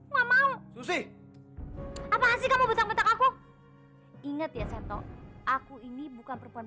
ngamau susi apa sih kamu betul betul aku inget ya seto aku ini bukan perempuan